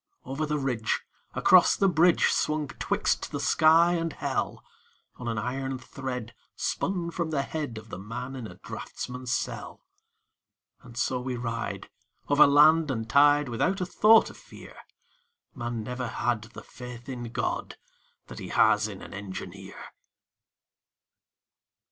Over the ridge, Across the bridge, Swung twixt the sky and hell, On an iron thread Spun from the head Of the man in a draughtsman's cell. And so we ride Over land and tide, Without a thought of fear _Man never had The faith in God That he has in an engineer!